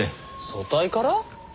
組対から？